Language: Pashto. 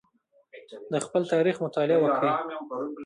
د خپل تاریخ مطالعه وکړئ.